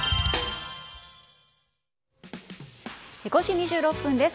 ５時２６分です。